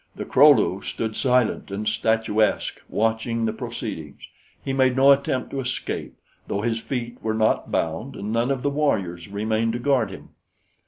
The Kro lu stood silent and statuesque, watching the proceedings. He made no attempt to escape, though his feet were not bound and none of the warriors remained to guard him.